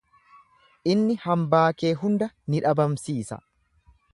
Inni hambaa kee hunda ni dhabamsiisa.